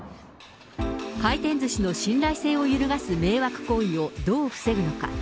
回転ずしの信頼性を揺るがす迷惑行為をどう防ぐのか。